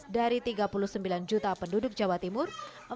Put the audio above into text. dari tiga puluh sembilan juta penduduk jawa timur